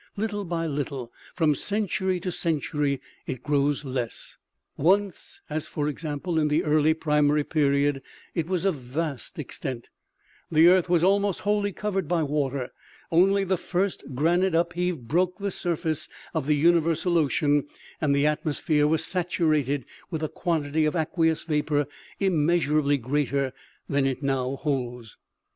Little by little, from century to century, it grows less. Once, as for example in the early primary period, it was of vast extent ; the earth was almost wholly covered by water, only the first granite upheavel broke the surface of the universal ocean, and the atmosphere was saturated with a quantity of aqueous vapor immeasurably greater than that it now holds.